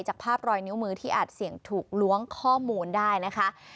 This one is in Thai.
จากภาพรอยนิ้วมือที่อาจเสี่ยงถูกล้วงข้อมูลได้นะคะ